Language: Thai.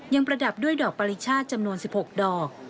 ประดับด้วยดอกปริชาติจำนวน๑๖ดอก